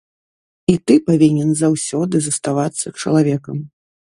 І ты павінен заўсёды заставацца чалавекам.